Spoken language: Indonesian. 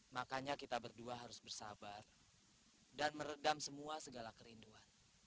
makanya kita berdua harus bersabar dan meredam semua segala kerinduan